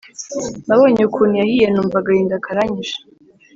Nabonye ukunu yahiye numva agahinda karanyishe